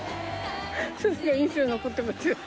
それが印象に残ってますよね。